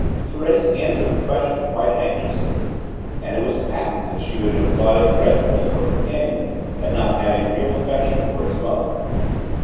Thérèse asked the question quite anxiously, and it was patent that she would have thought it dreadful if her companion had not had a real affection for his mother.